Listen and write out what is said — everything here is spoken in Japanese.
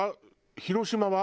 広島は？